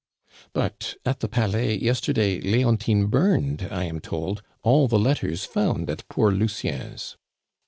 "But at the Palais, yesterday, Leontine burned, I am told, all the letters found at poor Lucien's."